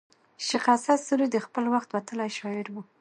شېخ اسعد سوري د خپل وخت وتلى شاعر وو.